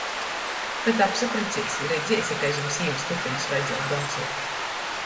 Kod apsapreciesi, redziesi, kai zam sīvys tupelis vajadzēs doncuot.